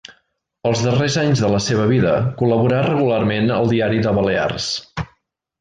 Els darrers anys de la seva vida col·laborà regularment al Diari de Balears.